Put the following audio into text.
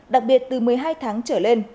đặc biệt từ một mươi hai tháng trở lên